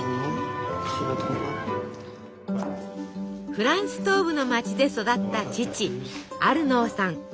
フランス東部の町で育った父アルノーさん。